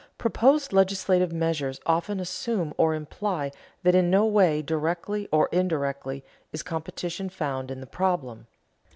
Proposed legislative measures often assume or imply that in no way, directly or indirectly, is competition found in the problem.